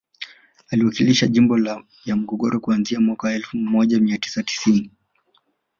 Aliwakilisha jimbo ya Morogoro kuanzia mwaka elfu moja mia tisa sitini